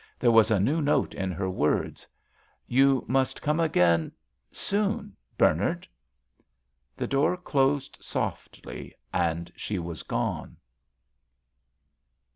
There was a new note in her words. "You must come again—soon, Bernard." The door closed softly, and she was gone.